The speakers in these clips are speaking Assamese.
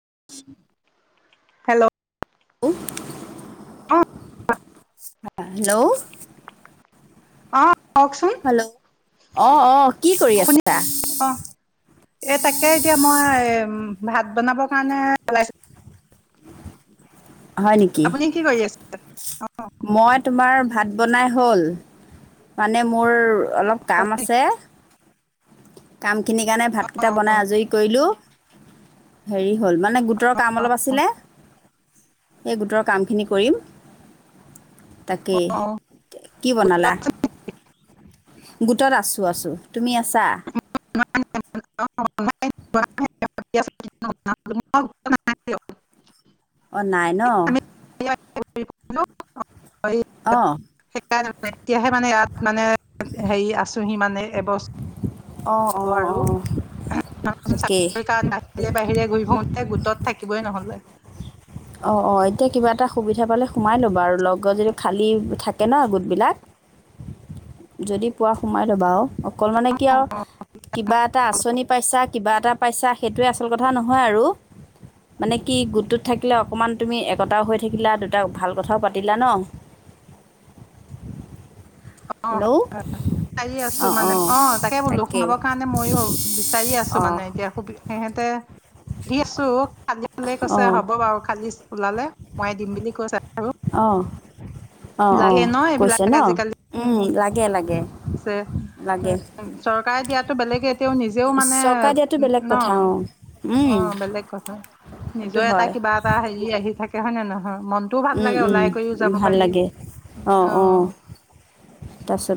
[unintelligible] হেল্ল'। [unintelligible] অ হেল্ল'। অ কওকচোন। হেল্ল' অ, ' অ কি কৰি শুনি আছা। অ, ' এই তাকে এতিয়া মই ভাত বনাবৰ কাৰণে লাইছো। হয় নেকি আপুনি কি কৰি আছে। [unintelligible] মই তোমাৰ ভাত বনাই হ'ল। মানে মোৰ অলপ কাম আছে। কাম সেইখিনি কাৰণে ভাতকেইটা বনাই আজৰি কৰিলোঁ হেৰি হ'ল মানে গোটৰ কাম অলপ আছিলে এই গোটৰ কামখিনি কৰিম। তাকি কি বনালা। গোটত আছো আছো তুমি আছা। [unintelligible] অ, নাই ন। [unintelligible] হয়। অঁ এতিয়াহে মানে ইয়াত মানে হেৰি আছোহি মানে এবছ অঁ হব অঁ আৰু অঁ তাকেই চাকৰি ক বাহিৰে বাহিৰে ঘূৰি ফূৰোতে গোটত থাকি শিবই নহল যে অ, 'অ, ' এতিয়া কিবা এটা সুবিধা পালে সোমাই ল'বা আৰু লগৰ যদি খালী থাকে ন গোটবিলাক যদি পোৱা সোমাই ল'বা আৰু। অকল মানে কি আৰু, কিবা এটা আঁচনি পাইছা কিবা এটা পাইছা সেইটোৱে আচল কথা নহয় আৰু। মানে কি গোটটোত থাক থাকিলে অকণমান তুমি একতাওঁ হৈ থাকিলা দুটাক ভাল কথাও পাতিলা ন। [inaudible] হেল্ল' বিচাৰি আছো অঁ মানে অঁ অ' তাকে বুলো তাকেই সোমাবৰ কাৰণে ময়ো বিচাৰি আছো অঁ মানে এতিয়া সু সিহেঁতে দি আছো ভালে কৈছে অঁ হ'ব বাৰু কালি ওলালে মইয়ে দিম বুলি [inaudible] অ'। অ', লাগে অ', ন কৈছে এইবিলাক ন উম, লাগে লাগে। চে লাগে চৰকাৰে দিয়ো বেলেগে এতিয়াও নিজেও মানে চৰকাৰে দিয়াটো বেলেগ ন কথা অঁ অ' বেলেগ কথা, সেইটো নিজৰ এটা হয় কিবা এটা হেৰি আহি থাকে হয় নে [unintelligible] হয়, মনটোওঁ ভাল লাগে। ওলাই কৰিওঁ যাব ভাল পাৰি লাগে অঁ অ'।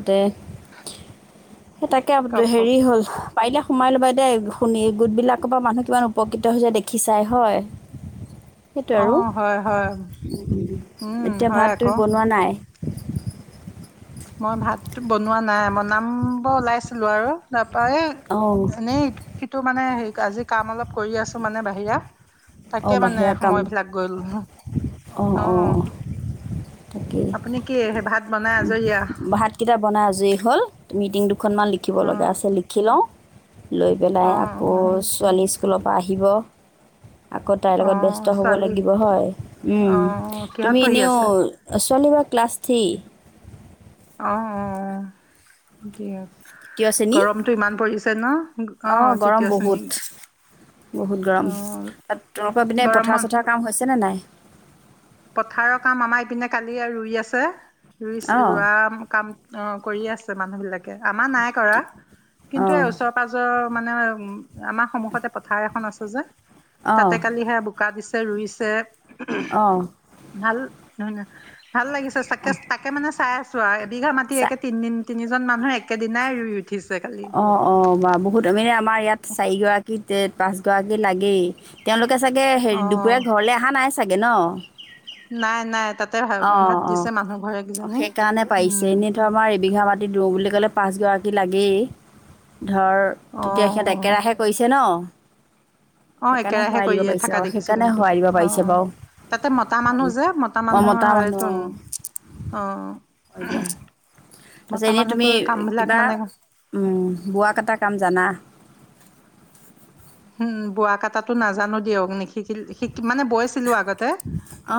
তে সেই তাকে কওক হেৰি হ'ল। পাৰিলে সোমাই ল'বা। দে শুনি গোটবিলাকৰ পৰা মানুহ কিমান উপকৃত হৈ যায় দেখি চাই হয়। সেইটো অ আৰু, হয় হয় উম এতিয়া হয় ভাত তুমি আকৌ বনোৱা নাই? মই ভাতো বনোৱা নাই বনাম ব ওলাইছিলো আৰু তাৰ অঁ ত এনেইটো সিটো মানে হেৰি আজি কাম অলপ কৰি আছো মানে বাহিৰা। অঁ তাকে মানে বাহিৰা কাম সময়বিলাক গ'ল, অঁ অঁ অ'। তাকেই, আপুনি কি সেই ভাত বনাই আজৰি আও ভাতকেইটা বনাই আজৰি হ'ল মিটিংটো দুখনমান লিখিব অ লগা আছে লিখি লওঁ। লৈ অ পেলাই আকৌ ছোৱালী স্কুলৰ পৰা আহিব। আকৌ তাইৰ অ অ লগত ব্যস্ত হ'ব ছোৱালী লাগিব হয়, অ উম' কিহত তুমি পঢ়ি এনেও আছে ছোৱালী বা ক্লাছ থ্ৰী। অ', অ' দিয়া। তৃতীয় শ্ৰেণী। অ' গৰম তৃতীয় শ্ৰেণী বহুত, বহুত গৰম অ তাত তোমালোকৰ পিনে পথাৰ গৰমত চথাৰ কাম হৈছেনে নাই। পথাৰৰ কাম আমাৰ ইপিনে কালি আৰু ৰুই আছে। ৰুই অঁ ৰোৱা কাম অ'। কৰি আছে মানুহ বিলাক আমাৰ নাই কৰা, কিন্তু অঁ এই ওচৰ পাজৰ মানে উ আমাৰ সন্মূখতে পথাৰ এখন আছে। সজা [unintelligible] অঁ তাতে কালি সেয়া বোকা দিছে। ৰুইছে। অ', ভাল নন [unintelligible] ভাল লাগিছে চাকেচ তাকে-তাকে মানে চাই আছোঁ আৰু, এবিঘা মাটি একে তিনদিন তিনিজন মানুহ এক অ', অ', বা বহুত মানে আমাৰ ইয়াত চাৰিগৰাকী যে পাঁছগৰাকী লাগেই, তেওঁলোকে চাগে অ হেৰি দুপৰীয়া ঘৰলৈ অহা নাই চাগ গ ন [unintelligible] নাই, নাই তাত অ', অ, অ, সেইকাৰণে পাৰিছে উম এনেইতো আমাৰ এবিঘা মাত দ [unintelligible] বুলি ক'লে পাঁচগৰাকী লাগেই। ধৰ অ তেতিয়া সিহঁত একেৰাহে কৰিছে ন অ' সেইকাৰণে একেৰাহে হোৱাই দিব কৰিয়ে পাৰিছে থাককা অঁ দেখিছো সেইকাৰণে কিন্তু, হোৱাই দিব পাৰিছে অ' তাতে মতা মানুহ যে মতা মানুহ অ', মতা মানুহ দিয়া অ'। তাৰ পিছত মতা এনেই মানুহতো তুমি কাম বিলাক কিবা, মানে উম বোৱা কটা কাম জানা? উম বোৱা কটাটো নাজানো দিয়ক নেকি শিকিল-শিকি মানে বৈছিলো আগতে,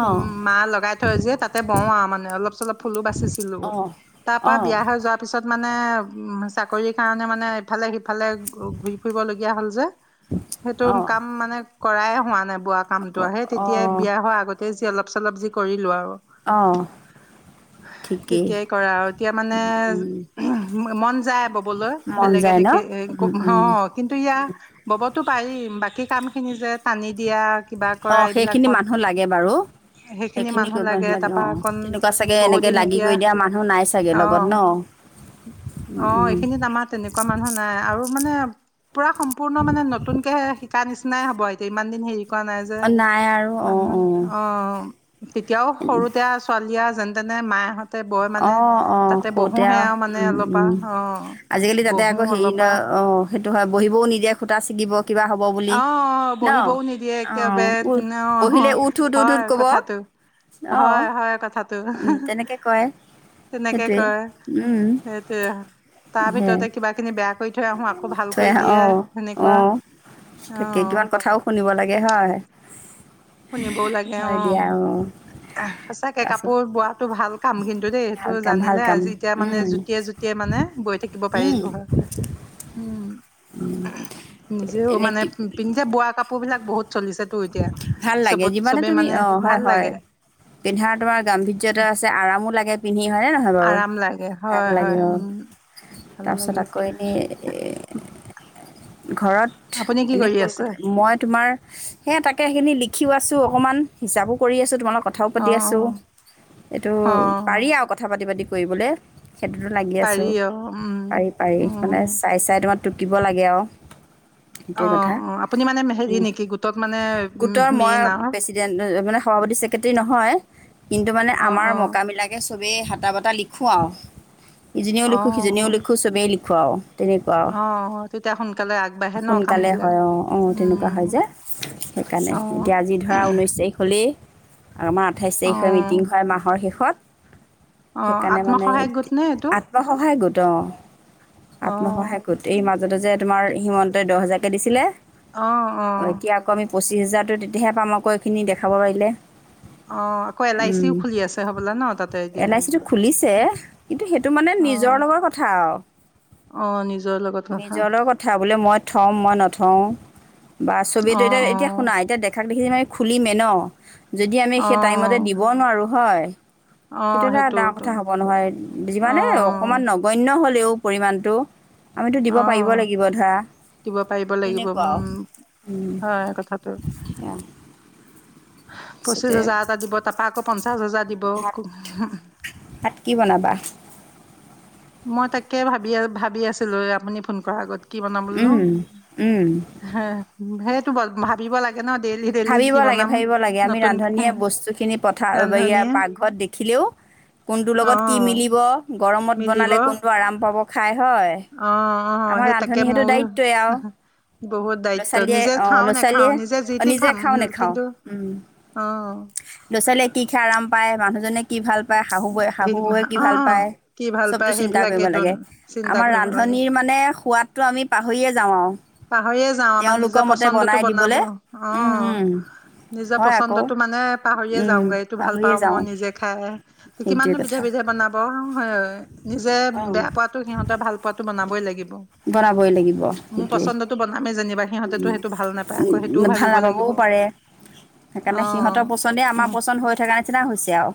অঁ, মা লগাই থৈ যে তাতে বওঁ আৰু মানে অলপ-চলপ ফুলো বাচিছিলো, অঁ, তাৰ পৰা অঁ, বিয়া হৈ যোৱাৰ পিছত মানে চাকৰিৰ কাৰণে মানে এফালে সিফালে ঘূৰি ফুৰিবলগীয়া হ'ল যে, সেইটো অঁ, কাম মানে কৰাই হোৱা নাই। বোৱা আকৌ কামটো আহে তেতিয়াই অঁ, বিয়া হোৱা আগতে অলপ চলপ যি কৰিলো আৰু, অঁ, ঠিকেই তেতিয়াই কৰা আৰু এতিয়া মানে, উম, মন যায় কবলৈ মন বেলেগে যায় ন? দেখি উম, হ উম, কিন্তু ইয়া টো পাৰিম বাকী কামখিনি যে টানি দিয়া, কিবা কৰা অ', সেইখিনি এইবিলাকত মানুহ লাগে বাৰু, সেইখিনি মানুহ কৰিব লাগে তাৰপা অ, অকণ তেনেকুৱা চাগে বহু এনেকে দিন লাগি এতিয়া কৰি দিয়া মানুহ নাই চাগে অ লগত ন? উম, অ' উম, এইখিনিত আমাৰ তেনেকুৱা মানুহ নাই আৰু মানে পুৰা সম্পূৰ্ণ মানে নতুনকে ক নিচিনাই হ'ব এইটো ইমান দিন হেৰি, কোৱা নাই যে অঁ, নাই আৰু অঁ, মান অঁ, অ', তেতিয়াও সৰুতে ছোৱালী যেনেতেন মায়হত তাতে বয় মানে অঁ, অঁ, তাতে বহো সৰুতে আৰু সেয়াও মানে। উ'ম, অলপ উ'ম আৰু অ আজিকালি তাতে বহো আকৌ হেৰি অলপ ন। আৰু অ'। সেইটো হয়, বহিবওঁ নিদিয়ে সূতা ছিগিব। কিবা হ'ব বুলি আহ আহ ন বহিবওঁ নিদিয়ে এক অঁ উ বাৰে অ', বহিলে উঠ উঠ উঠ উঠ হয় ক'ব কথাটো অঁ হয়, হয় কথাটো। তেনেকৈ কয় তেনেকে সেইটোৱে কয় উম সেইটোৱেই তাৰ সেয়াই ভিতৰতে কিবাখিনি বেয়া কৰি থৈ আহোঁ। আকৌ ভাল কৰি দিয়ে সেনেকুৱা। অ কেই কিমান কথাওঁ শুনিব লাগে। একে হয়। শুনিবওঁ লাগে হয় দিয়া অঁ অ, সচাকে তাৰপাছত কাপোৰ বোৱাতো ভাল কাম। কিন্তু দেই। ভাল টো কাম ভাল জানিলে কাম আজি এতিয়া মানে উম যুতিয়ে যুতিয়ে মানে বৈ থাকিব উম পাৰিলো হয় উম। নিজেও এনে মানে কি পিন্ধ যে বোৱা কাপোৰ বিলাক। বহুত চলিছে তো এতিয়া ভাল লাগে চবত যিমানে চবেই তুমি, মানে অ' হয় ভাল হয় লাগে পিন্ধাৰ তোমাৰ গাম্ভিজ্যটা আছে, আৰামো লাগে পিন্ধি। হয়ে নহয় বাৰু? আৰাম লাগে ভাল হয় হয় লাগিব আৰু, উম ভাল তাৰপিছত লাগে আকৌ এনেই ঘৰত আপুনি কি এনে কৰি কোন আছে ক'ত, মই তোমাৰ সে তাকে সেইখিনি লিখিও আছোঁ অকণমান হিচাপো কৰি আছোঁ, তোমালোক? কথাও অ পাতি অ আছোঁ এইটো অ পাৰি আৰু কথা পাতি পাতি কৰিবলৈ সেইটোতো লাগি আছো পাৰি অ উম পাৰি পাৰি উম মানে চাই চাই তোমাৰ টুকিব লাগে আৰু অ সেইটোৱে কথা অ আপুনি মানে উ হেৰি নেকি গোটত মানে গোটৰ মই মেইন আৰু প্ৰেচিডেন্ট মানে সভাপতি চছেক্ৰেটাৰী নহয় কিন্তু মানে অ আমাৰ মকাবিলাকে চবেই হটা বটা লিখোঁ আৰু ইজনেও অ লিখ সিজনেও লিখ চবে লিখো খুৱাওঁ অ' অ' তেতিয়া সোনালে সোনকালে হয় আহ অ' তেনেকুৱা উম হয় যে সেইকাৰণে অ এতিয়া আজি ধৰা নৈশ তাৰিখ হলেই আৰু আমাৰ আঠাইছ অ তাৰিখে মিটিং হয় মাহৰ শেষত- অ' সেইকাৰণে আত্মসহায়ক গোটনে এইটো? দ অ আত্মসহায়ক গোট এই মাজতে যে হিমন্তই দহ হেজাৰকৈ দিছিলে। আহ আহ। ত্ৰিছ হেজাৰটো তেতিয়াহে পাম আকৌ এইখিনি দেখাব পাৰিলে। অ' আকৌ এল আই চিও খুলি আছে হ'বলৈ ন তাতে এতিয়া? এল আই চিটো খুলিছে কিন্তু সেইটো মানে নিজৰ অ' লগৰ কথা আৰু অ' নিজৰ লগত কথা। নিজৰ লগৰ কথা বোলে মই থওঁ, মই নথওঁ। বা অ চবেইটো এতিয়া, অ এতিয়া শুনা এতিয়া দেখা দেখিলে খুলিমে এ ন- যদি আমি অ অ সেই টাইমতে দিব নোৱাৰো। হয়। অ সেইটো এটা ডাঙৰ সেইটোতো কথা হব নহয় অ যিমানে অকমান নগন্যয় হলেও- পৰিমাণটো, আমিতো অ দিব অ পাৰিব লাগিব। ধৰা দিব পাৰিব লাগিব তেনেকুৱা আৰু হয় কথাটো। [inaudible] পঁচিশ তাৰপিছতে হাজাৰ এটা দিব তাৰ পৰা আকৌ পঞ্চ- ছ হাজাৰ দিব। ভাত ভাত কি বনাবা মই তাকে ভাবি ভাবি আছিলো আপুনি ফোন কৰাৰ আগত- কি বনামলো উম, উম, হ ভেজ- ভাবিব লাগে। ন ডেইলি ডেইলি ভাবিব কি লাগে বনাম ভাবিব লাগে আমি নতুনকে ৰান্ধনীয়ে বস্তু খিনি পঠা ৰান্ধনীয়ে পাকঘৰত দেখিলেও কোনটো অ লগত কি মিলিব গৰমত- মিলিব বনালে কোনটো আৰাম- পাব খায়। অ অ সেই তাকে মোৰ দায়িত্বই আৰু বহুত ল'ৰা দায়িত্ব ছোৱালীয়ে নিজে অঁ খাও ল'ৰা নেখাও ছোৱালীয়ে নিজে যি- অঁ টি নিজে খাম খাওঁ নেখাওঁ, কিন্তু উম অ - ল'ৰা ছোৱালীয়ে কি খে আৰাম পায় মানুহজনে কি ভাল পায় - ভাল পায় শাহু ব ভ শাহু বয়ে কি অ ভাল পায় কি ভাল চবতটো পায় চিন্তা কৰিব সেইবিলাকেতোন লাগে চিন্তা আমাৰ কৰিব লাগে ৰান্ধনীৰ মানে সোৱাদতটো আমি পাহৰিয়ে যাওঁ আৰু- পাহৰিয়ে যাও আমাৰ তেওঁলোকৰ নিজৰ মতে পচন্দতটো বনাই বনাব। দিবলৈ উম অ' উম নিজৰ হয় আকৌ পচন্দতটো মানে পাহৰিয়ে উম যাও যে এইটো ভাল পাহৰিয়ে পাওঁ যাওঁ মই নিজে খাই সেইটোৱে কিমাননো বিধে কথা - বিধে বনাব হয় নিজে অঁ বেয়া পোৱাতো সিহঁতে ভাল পোৱাতো বনাবই লাগিব। বনাবই লাগিব। সেইটোৱে পচন্দতটো বনামেই যেনিবা সিহঁতেতো সেইটো ভাল নাপায় আকৌ সেইটোও ভাল ভাবিব নাপাবও লাগিব, পাৰে সেইকাৰণে আহ সিহঁতৰ পচন্দে আমাৰ পচন্দ হৈ থকা নিচিনা হৈছে আৰু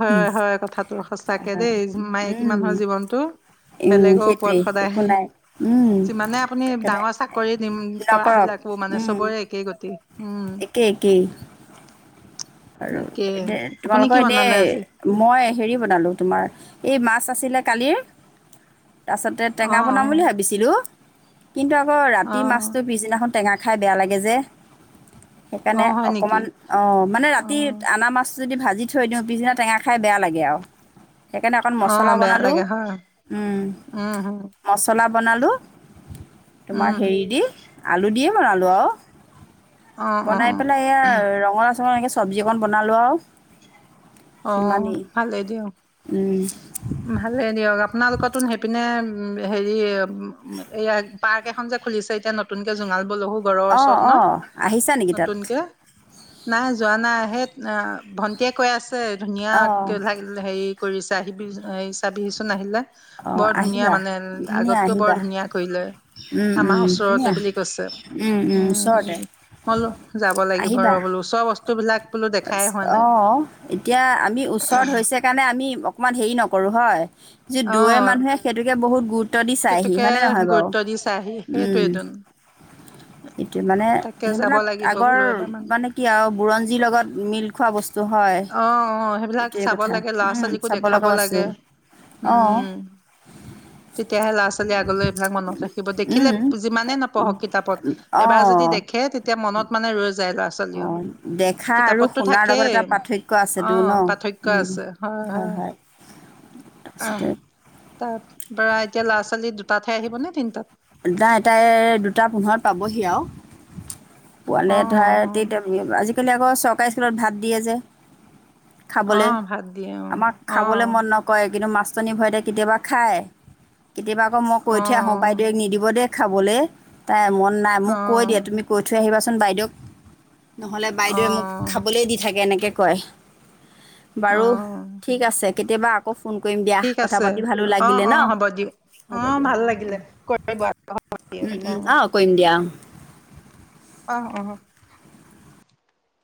হয় হয় কথাটো হয় সচাকে হয় দেই মায়েকী মানুহৰ জীৱনটো বেলেগৰ ওপৰত সেইটোৱেই সদায়। একো নাই উম। যিমানে আপুনি সেইকাৰণে ডাঙৰ চাকৰি নকৰক কৰাবলাকো মানে উম চবৰে একেই গতি। একেই একেই আৰু একেই এ আপুনি তোমালোকৰ কি বনালে এনেই আজি মই হেৰি বনালো তোমাৰ এই মাক মাছ আছিলে কালিৰ। তাৰ পছতে অ টেঙা বনাম বুলি ভাবিছিলো। কিন্তু আকৌতি অ অ মাছটো পিছদিনাখন টেঙা খাই বেয়া লাগে যে অ সেইকাৰণে হয় নেকি অকমান অ মানে অ ৰাতি আনা মাছ যদি ভাজি থৈ দিওঁ পিছদিনা টেঙা খাই বেয়া লাগে আৰু সেইকাৰণে অকণ অ মছলা বেয়া বনালো লাগে হয় উ উম হম মছলা বনালোঁ। তোমাৰ উম হেৰি দি আলু দি বনালোৱা অ অ বনাই পেলাই এয়া ৰঙালা তে চব্জি অকণ বনালোঁ আৰু অ সিমানেই ভালেই দিয়ক উম, ভালেই দিয়ক আপোনালোকতো সেইপিনে উ হেৰি ইয়াৰ আ পাৰ্ক এখন যে খুলিছে এতিয়া নতুন কে জুঙাল অ আহ আহিছা নেকি তাত নতুনকে নাই যোৱা নাই আহে ভণ্টিয়ীয়ে কৈ আছে। স [unintelligible] ধুনীয়া অ', হেৰি কৰিছে। আহিবি এই চাবিহিচোন ন আহিলে। অ', বৰ ধুনীয়া আহিবা। মানে ধুনীয়া আগতকৈ আহিবা, বৰ ধুনীয়া কৰিলে উম, আমাৰ উম, ওচৰতে ধুনীয়া, বুলি কৈছে উম, ওচৰতে উম মইলো যাব লাগিব ৰ বোলো ওচৰ বস্ত বস্তুবিলাক অ-অ এতিয়া আমি ওচৰত হৈছে কাৰণে আমি অকণমান হেৰি নকৰো হয়। যি দূয়ে অ', মানুহে সেইটোকে বহুত গুৰুত্ব দি চাইহি সেইটোকে হয়নে নহয় বাৰু গুৰুত্ব দিছে আহি উম, সেইটোৱেইটোন। সেইটোয় মানে তাকে যাব সেইবিলাক লাগিব আগৰ বোলো এবাৰমান। মানে কি আৰু বুৰঞ্জীৰ লগত মিল খোৱা বস্তু হয়। অ-অ সেইবিলাক সেইটোৱে চাব কথা, লাগে ল'ৰা উম, ছোৱালীকো চাব দেখাব লগা বস্তু, লাগে। অ', উম, তেতিয়াহে ল'ৰা ছোৱালী আগলৈ এইবিলাক মনত ৰাখিব দেখিলে উম, যিমানে নপঢ়ক কিতাপত এবাৰ যদি দেখে তেতিয়া মনত মানে ৰৈ যায় ল'ৰা ছোৱালীও অ, দেখা আৰু কিতাপততো শুনাৰ লগত থাকেই। এটা পাৰ্থক্য আছেতো অ', ন পাৰ্থক্য আছে হয় উ হয়। হয়-হয় তাৰ পাছতে তাৰ পৰা এতিয়া, ল'ৰা ছোৱালী দুটাতহে আহিব নে তিনটাত? [unintelligible] এটাই দুটা পোন্ধৰ পাবহি আৰু। অ পোৱালে অ এ ধাৰতি আজিকালি আকৌ চব ককা স্কুলত ভাত দিয়ে যে অ খাবলে অ ভাত দিয়ে অ আমাক খাবলে মন অ নকৰে কিন্তু মা নাচন ভয়তে কেতিয়াবা খায়। কেতিয়াবাকৌ মই অ কৈ আহো বাই দিব খাবলৈ তাই ম নাই অ মোক কৈ দিয়া তুমি কৈ থৈ আহিবা বাইদেউক নহলে অ বাইদেৱে মোক খাবলে দি থাকে এনেকে কয়। অ বাৰু ঠিক আছে। কেতিয়াবা আকৌ ফোন কৰিম দিয়া ঠিক কথা আছে পাতি ভালো অ লাগিলে অ ন হ'ব দিয়ক অ হ'ব দিয়া। ভাল লাগিলে উম উম অ [inaudible] [inaudible] অ' অ'